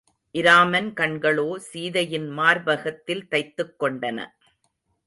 இராமன் கண்களோ சீதையின் மார்பகத்தில் தைத்துக் கொண்டன.